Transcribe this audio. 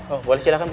oh boleh silakan bu